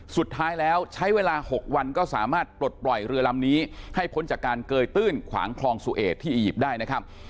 สุดท้ายแล้วใช้เวลา๖วันก็สามารถปลดปล่อยเรือลำนี้ให้พ้นจากการเกยตื้นขวางคลองสุเอทที่อียิปต์ได้นะครับ